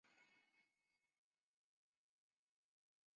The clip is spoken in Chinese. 石井岩的历史年代为宋代。